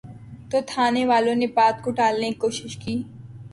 تو تھانے والوں نے بات کو ٹالنے کی کوشش کی۔